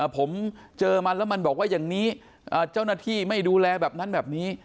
ผมเจอมันแล้วมันบอกว่าอย่างนี้เจ้าหน้าที่ไม่ดูแลแบบนั้นแบบนี้